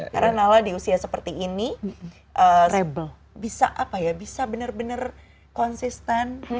karena nala di usia seperti ini bisa apa ya bisa bener bener konsisten